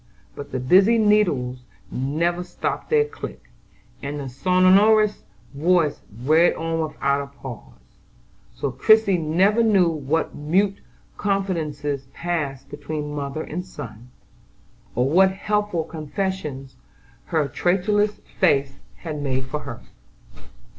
But the busy needles never stopped their click, and the sonorous voice read on without a pause, so Christie never knew what mute confidences passed between mother and son, or what helpful confessions her traitorous face had made for her.